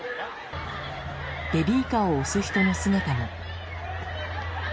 ベビーカーを押す人の姿も。